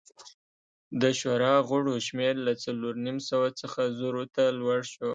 د شورا غړو شمېر له څلور نیم سوه څخه زرو ته لوړ شو